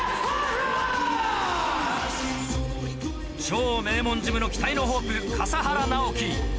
超名門ジムの期待のホープ笠原直希。